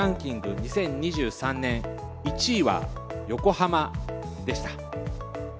２０２３年１位は横浜でした。